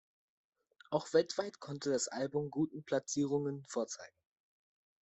Auch weltweit konnte das Album guten Platzierungen vorzeigen.